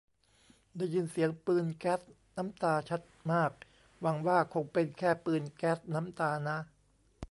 ได้ยินเสียงปืนแก๊สน้ำตาชัดมาก หวังว่าคงเป็นแค่ปีนแก๊สน้ำตานะ